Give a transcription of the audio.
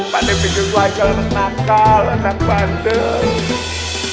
pande bikin wajah anak nakal anak bandeng